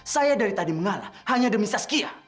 saya dari tadi mengalah hanya demi saskia